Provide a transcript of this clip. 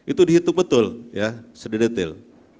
itu dihitung betul sedetail